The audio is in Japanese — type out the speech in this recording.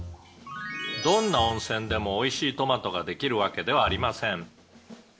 「どんな温泉でもおいしいトマトができるわけではありません」